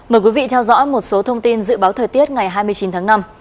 mời quý vị theo dõi một số thông tin dự báo thời tiết ngày hai mươi chín tháng năm